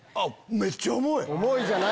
めっちゃ重い！